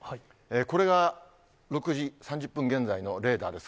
これが６時３０分現在のレーダーです。